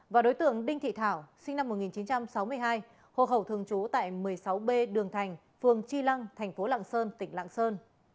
và đối tượng đinh thị thảo sinh năm một nghìn chín trăm sáu mươi hai hộ khẩu thường trú tại một mươi sáu b đường thành phường tri lăng thành phố lạng sơn tỉnh lạng sơn